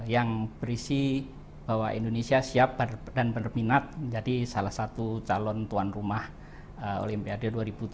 yang berisi bahwa indonesia siap dan berminat menjadi salah satu calon tuan rumah olimpiade dua ribu tiga puluh